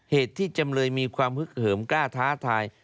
เหตุที่จำเลยมีความฮึกเหิมกล้าท้าทาย